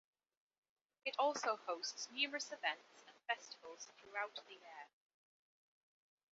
It also hosts numerous events and festivals throughout the year.